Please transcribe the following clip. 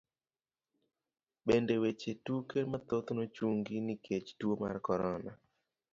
Bende, weche tuke mathoth nochungi nikech tuo mar korona.